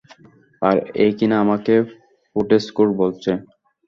আর, এ কিনা আমাকে ফুটেজখোর বলছে!